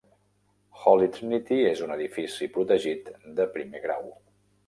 Holy Trinity és un edifici protegit de primer grau.